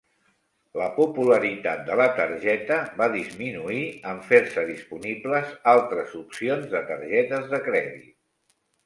La popularitat de la targeta va disminuir en fer-se disponibles altres opcions de targetes de crèdit.